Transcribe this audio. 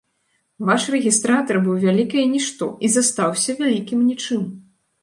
Ваш рэгістратар быў вялікае нішто і застаўся вялікім нічым.